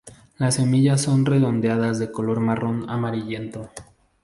Las semillas son redondeadas de color marrón amarillento.